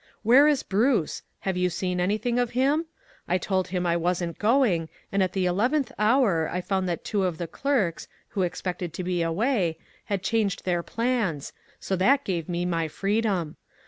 " Where is Bruce ? Have you seen anything of him ? I told him I wasn't going, and at the eleventh hour, I found that two of the clerks, who expected to be away, had changed their plans, so that gave me my freedom.